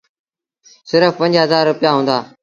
سرڦ پنج هزآر رپيآ هُݩدآ۔